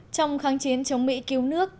trong kháng chiến chống mỹ cứu nước